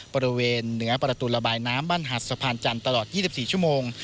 บริเวณเหนือประตูระบายน้ำบ้านหัดสะพานจันทร์ตลอด๒๔ชั่วโมง